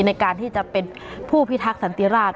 ในการที่จะเป็นผู้พิทักษันติราช